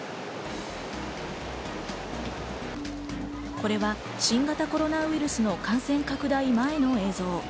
これは新型コロナウイルスの感染拡大前の映像。